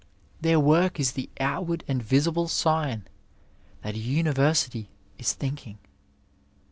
Their work is the outward and visible sign that a university is thinking.